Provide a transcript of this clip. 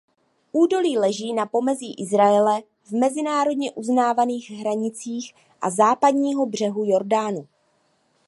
Údolí leží na pomezí Izraele v mezinárodně uznávaných hranicích a Západního břehu Jordánu.